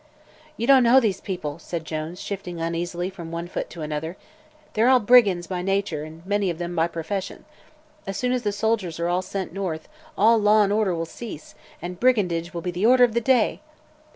"You don't know these people," said Jones, shifting uneasily from one foot to another. "They're all brigands by nature and many of them by profession. As soon as the soldiers are sent north, all law and order will cease and brigandage will be the order of the day!"